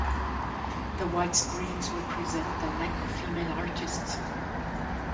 The white screens represent the lack of female artists.